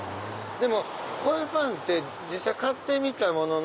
でもこういうパンって実際買ってみたものの。